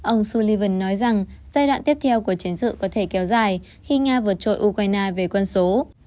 ông sullivan nói rằng giai đoạn tiếp theo của chiến sự có thể kéo dài khi nga vượt trội ukraine về quân số